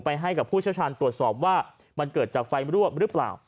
ให้กับผู้เชี่ยวชาญตรวจสอบว่ามันเกิดจากไฟรั่วหรือเปล่า